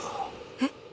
えっ？